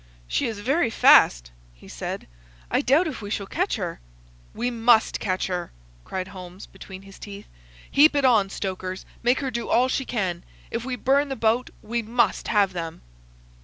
"She is very fast," he said. "I doubt if we shall catch her." "We must catch her!" cried Holmes, between his teeth. "Heap it on, stokers! Make her do all she can! If we burn the boat we must have them!"